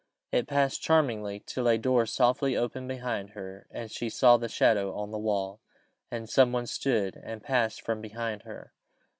It passed "charmingly," till a door softly opened behind her, and she saw the shadow on the wall, and some one stood, and passed from behind her.